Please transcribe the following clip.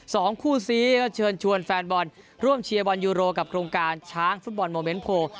สองคู่ซีก็เชิญชวนแฟนบอลร่วมเชียร์บอลยูโรกับโครงการช้างฟุตบอลโมเมนต์โพล